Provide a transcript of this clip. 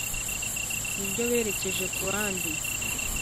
Niryo berekeje ku bandi.